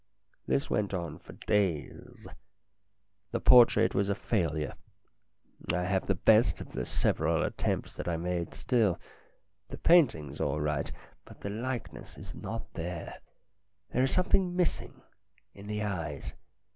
This went on for days. The portrait was a failure. I have the best of the several attempts that I made still. The painting's all right. But the likeness is not there ; there is something missing in the eyes.